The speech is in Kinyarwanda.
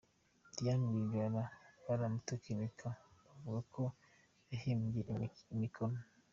– Diane Rwigara baramutekinikiye bavuga ko yahimbye imikono ;